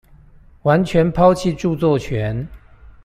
完全拋棄著作權